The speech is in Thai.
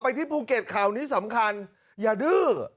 ที่ภูเก็ตข่าวนี้สำคัญอย่าดื้อ